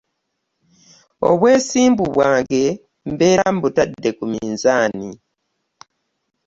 Obwesimbu bwange mbeera mbutadde ku minzaani.